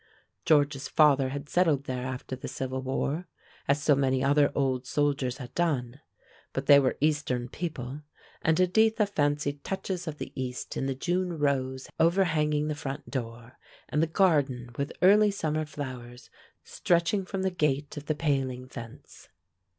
George's father had settled there after the civil war, as so many other old soldiers had done; but they were Eastern people, and Editha fancied touches of the East in the June rose overhanging the front door, and the garden with early summer flowers stretching from the gate of the paling fence.